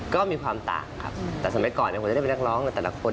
ก็มีความต่างครับแต่สมัยก่อนผมจะได้เป็นนักร้องในแต่ละคน